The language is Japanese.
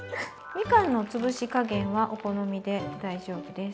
みかんの潰し加減はお好みで大丈夫です。